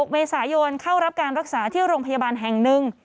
๖เมษายนเข้ารับการรักษาที่โรงพยาบาลแห่งหนึ่ง